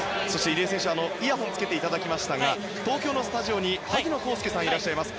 入江選手、イヤホンをつけていただきましたが東京のスタジオに萩野公介さんがいらっしゃいます。